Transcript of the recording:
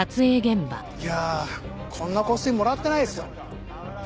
いやこんな香水もらってないですよ。